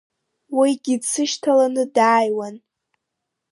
Уигьы дсышьҭаланы дааиуан.